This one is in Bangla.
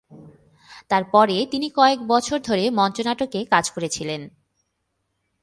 তারপরে তিনি কয়েক বছর ধরে মঞ্চ নাটকে কাজ করেছিলেন।